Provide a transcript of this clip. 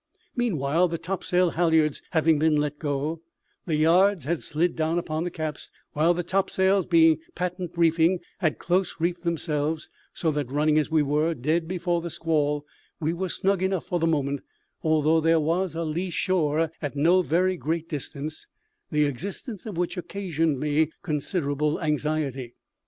Meanwhile, the topsail halliards having been let go, the yards had slid down upon the caps, while the topsails being patent reefing had close reefed themselves; so that, running, as we were, dead before the squall, we were snug enough for the moment; although there was a lee shore at no very great distance, the existence of which occasioned me considerable anxiety.